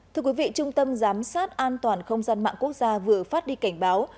thưa quý vị trung tâm giám sát an toàn không gian mạng quốc gia vừa phát đi cảnh báo